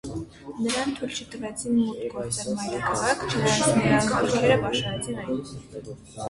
Նրան թույլ չտվեցին մուտք գործել մայրաքաղաք, չնայած նրա զորքերը պաշարեցին այն։